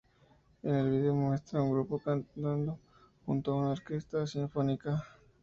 En el video se muestra al grupo cantando junto a una orquesta sinfónica.